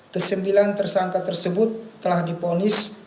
kesembilan tersangka tersebut telah diponis pengadilan tpkor semarang